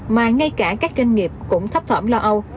mà ngay cả các doanh nghiệp cũng thấp thỏm lo âu